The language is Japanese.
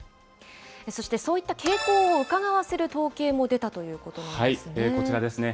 そしてそういった傾向をうかがわせる統計も出たということなこちらですね。